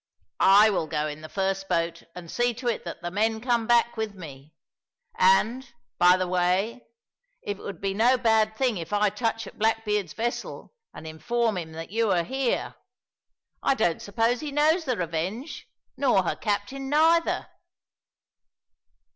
I will go in the first boat and see to it that the men come back with me. And, by the way, it would not be a bad thing if I touch at Blackbeard's vessel and inform him that you are here; I don't suppose he knows the Revenge, nor her captain neither."